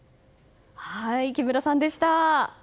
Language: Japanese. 木村さんでした。